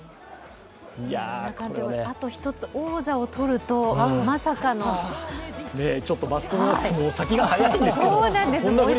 あと１つ王座をとるとまさかのマスコミは先が早いんですけど。